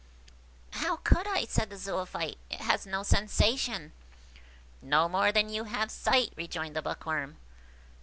"How could I?" said the Zoophyte; "it has no sensation." "No more than you have sight," rejoined the Bookworm.